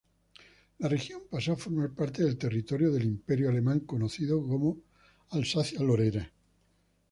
La región pasó a formar parte del territorio del Imperio Alemán conocido como Alsacia-Lorena.